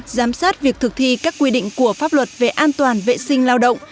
giám sát việc thực thi các quy định của pháp luật về an toàn vệ sinh lao động